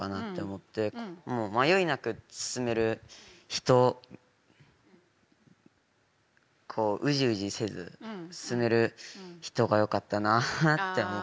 もう迷いなく進める人こううじうじせず進める人がよかったなあって思って書きました。